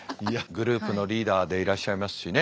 グループのリーダーでいらっしゃいますしね。